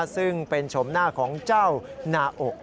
ซึ่งเป็นชมหน้าของเจ้านาอก